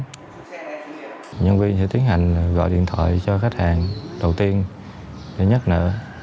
nhân viên sẽ tiến hành gọi điện thoại cho khách hàng đầu tiên để nhắc nợ